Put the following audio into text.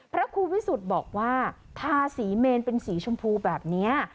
พระครูวิสุทธิ์บอกว่าทาสีเมนเป็นสีชมพูแบบนี้